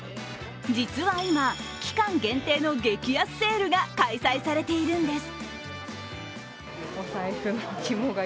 実は今、期間限定の激安セールが開催されているんです。